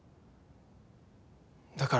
だから。